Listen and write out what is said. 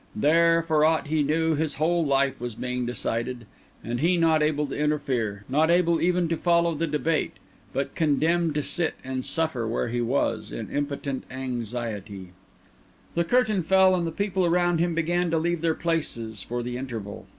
There, for aught he knew, his whole life was being decided—and he not able to interfere, not able even to follow the debate, but condemned to sit and suffer where he was, in impotent anxiety. At last the act came to an end. The curtain fell, and the people around him began to leave their places, for the interval.